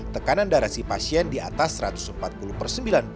tekanan darah si pasien di atas satu ratus empat puluh per sembilan puluh